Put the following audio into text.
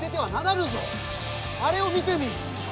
あれを見てみい！